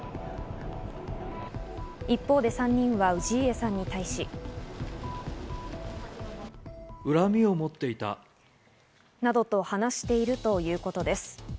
一方で３人は氏家さんに対し。などと話しているということです。